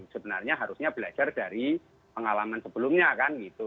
sebenarnya harusnya belajar dari pengalaman sebelumnya kan gitu